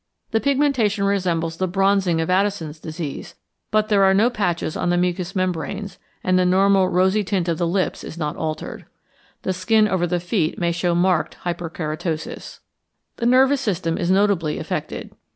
The pigmentation resembles the bronzing of Addison's disease, but there are no patches on the mucous membranes, and the normal rosy tint of the lips is not altered. The skin over the feet may show marked hyperkeratosis. The nervous system is notably affected.